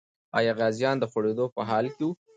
آیا غازیان د خورېدو په حال کې وو؟